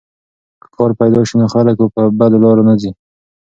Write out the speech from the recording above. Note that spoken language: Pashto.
که کار پیدا سي نو خلک په بدو لارو نه ځي.